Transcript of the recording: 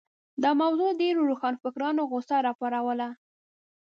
دا موضوع د ډېرو روښانفکرانو غوسه راوپاروله.